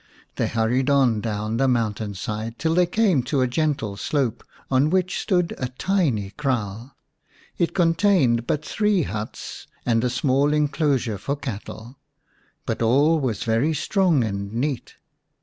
They hurried on down the mountain side till they came to a gentle slope on which stood a tiny kraal. It contained but three huts and a small enclosure for cattle, but all was very strong and neat.